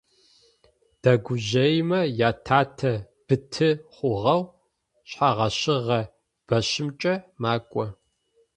Дэгужъыемэ ятатэ быты хъугъэу шъхьэгъэщыгъэ бэщымкӏэ макӏо.